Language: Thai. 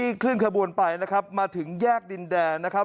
ที่ขึ้นเครื่องบอลไปนะครับมาถึงแยกดินแดนนะครับ